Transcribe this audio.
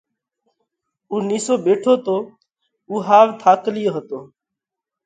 اُو نِيسو ٻيٺو تو۔ اُو ۿاوَ ٿاڪلِيو هتو۔